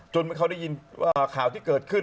เขาได้ยินข่าวที่เกิดขึ้น